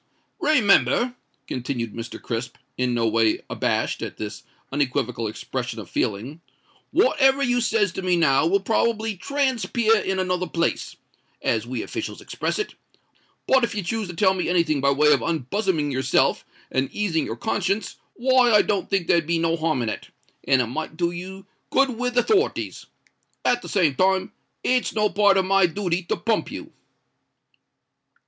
"Remember," continued Mr. Crisp, in no way abashed at this unequivocal expression of feeling, "whatever you says to me now will probably trans peer in another place, as we officials express it; but if you choose to tell me anything by way of unbuzziming yourself and easing your conscience, why, I don't think there'd be no harm in it, and it might do you good with the 'thorities. At the same time it's no part of my dooty to pump you."